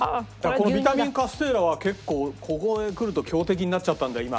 このビタミンカステーラは結構ここへくると強敵になっちゃったんだ今。